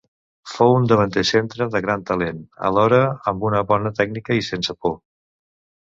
Fou un davanter centre de gran talent, alhora amb una bona tècnica i sense por.